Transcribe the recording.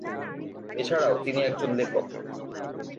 এছাড়াও তিনি একজন লেখক।